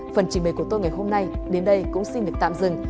phần trình bày của tôi ngày hôm nay đến đây cũng xin được tạm dừng